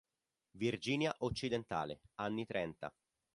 Virginia Occidentale, anni trenta.